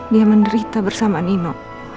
dia menderita bersama nino